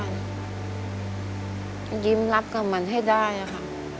รู้ต้องยิ้มรับกับมันให้ได้นะคะ